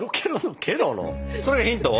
それヒント？